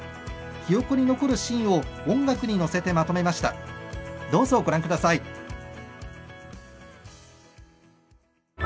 記憶に残るシーンを音楽に乗せてまとめました。